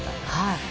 はい。